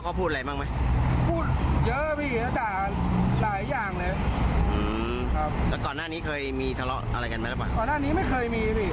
ก่อนหน้านี้ไม่เคยมีไม่เคยมีเรื่องแหลกใดเลย